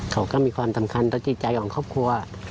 เขาก็มีความสำคัญต่อจิตใจของครอบครัว